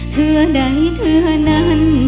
ถือใดถือนั้น